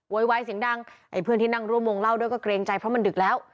วายเสียงดังไอ้เพื่อนที่นั่งร่วมวงเล่าด้วยก็เกรงใจเพราะมันดึกแล้ว